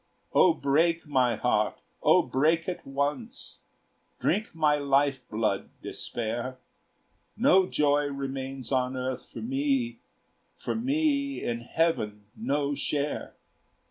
"O break, my heart, O break at once! Drink my life blood, Despair! No joy remains on earth for me, For me in heaven no share."